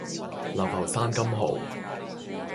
流浮山金蠔